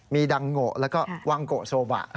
มีดังโง่แล้วก็วางโกะโซบะ